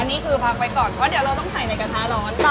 นี่คือพักไว้ก่อนเพราะเดี๋ยวเราต้องใส่ในกระทะร้อน